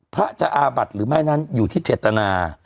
พระจะอาบัติหรือไม่นั้นอยู่ที่เจตนา